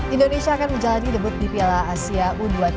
indonesia akan menjalani debut di piala asia u dua puluh tiga